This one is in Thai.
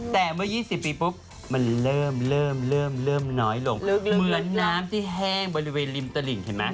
แต่เมื่อ๒๐ปีปุ๊บมันเริ่มเริ่มน้อยลงเหมือนน้ำที่แห้งบริเวณริมตลิ่งเห็นไหม